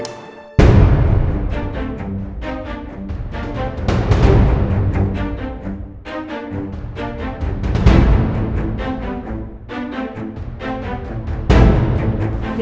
cek ya dewi